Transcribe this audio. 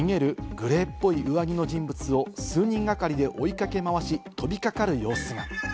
グレーっぽい上着の人物を数人がかりで追いかけ回し、飛びかかる様子が。